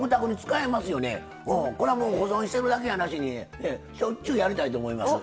これはもう保存してるだけやなしにしょっちゅうやりたいと思います。